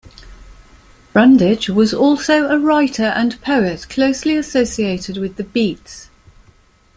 Brundage was also a writer and poet closely associated with the Beats.